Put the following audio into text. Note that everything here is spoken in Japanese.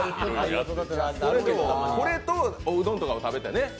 それとおうどんとかを食べてね。